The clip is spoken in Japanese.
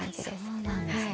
そうなんですね。